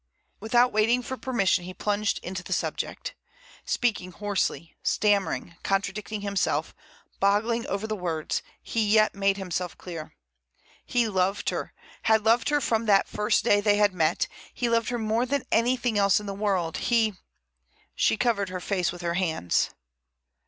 Without waiting for permission he plunged into the subject. Speaking hoarsely, stammering, contradicting himself, boggling over the words, he yet made himself clear. He loved her; had loved her from that first day they had met; he loved her more than anything else in the world; he—She covered her face with her hands.